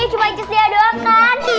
cuma inci sedia doang kan